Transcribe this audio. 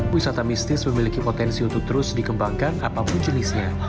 wisata mistis memiliki potensi untuk terus dikembangkan apapun jenisnya